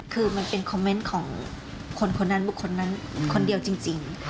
คือมันเป็นคอมเมนต์ของคนคนนั้นบุคคลนั้นคนเดียวจริง